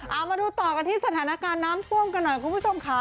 เอามาดูต่อกันที่สถานการณ์น้ำท่วมกันหน่อยคุณผู้ชมค่ะ